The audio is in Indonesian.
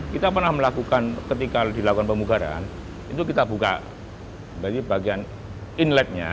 kita pernah melakukan ketika dilakukan pemugaran itu kita buka berarti bagian inletnya